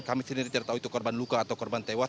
kami sendiri tidak tahu itu korban luka atau korban tewas